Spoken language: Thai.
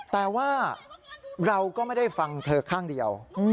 แต่ว่าเราก็ไม่ได้ฟังเธอข้างเดียว